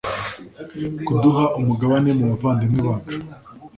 kuduha umugabane mu bavandimwe bacu